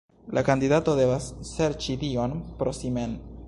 La kandidato devas serĉi Dion pro si mem.